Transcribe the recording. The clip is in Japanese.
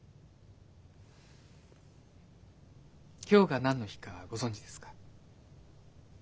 今日が何の日かご存じですか？